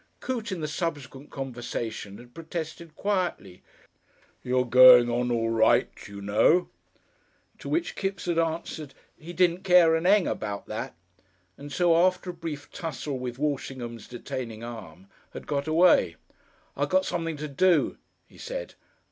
Coote, in the subsequent conversation, had protested quietly, "You're going on all right, you know," to which Kipps had answered he didn't care a "Eng" about that, and so, after a brief tussle with Walshingham's detaining arm, had got away. "I got something to do," he said.